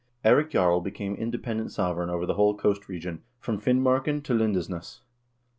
Eirik Jarl became independent sovereign over the whole coast region, from Finmarken to Lindesnes.